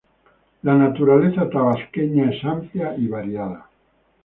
La naturaleza tabasqueña es amplia y variada.